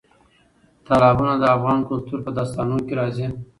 تالابونه د افغان کلتور په داستانونو کې راځي.